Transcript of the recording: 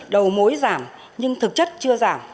đầu mối giảm nhưng thực chất chưa giảm